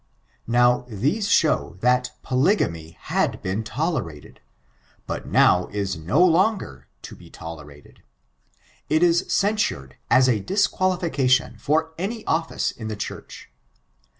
*' Now these showt that polygamy had been tolerated, but now is no longer to be tolerated. It is censured as a disqualification for any office in the Church.